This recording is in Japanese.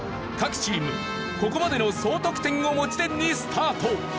各チームここまでの総得点を持ち点にスタート。